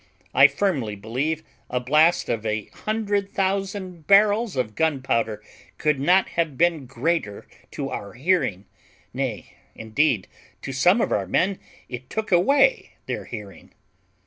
I firmly believe a blast of a hundred thousand barrels of gunpowder could not have been greater to our hearing; nay, indeed, to some of our men it took away their hearing.